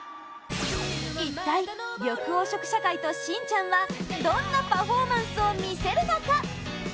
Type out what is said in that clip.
一体、緑黄色社会としんちゃんはどんなパフォーマンスを見せるのか？